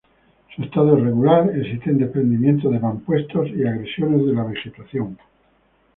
Su estado es regular, existen desprendimientos de mampuestos y agresiones de la vegetación.